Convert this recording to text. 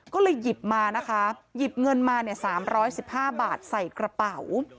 ก็เลยหยิบมานะคะหยิบเงินมาเนี่ยสามร้อยสิบห้าบาทใส่กระเป๋า